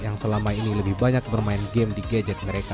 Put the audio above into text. yang selama ini lebih banyak bermain game di gadget mereka